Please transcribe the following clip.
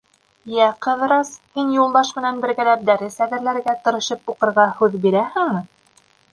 — Йә, Ҡыҙырас, һин Юлдаш менән бергәләп дәрес әҙерләргә, тырышып уҡырға һүҙ бирәһеңме?